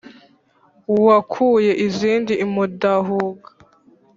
Wakuye izindi i Mudahuga,